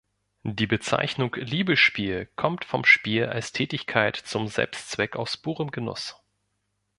Die Bezeichnung Liebesspiel kommt von Spiel als Tätigkeit zum Selbstzweck aus purem Genuss.